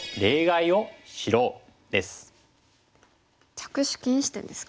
着手禁止点ですか。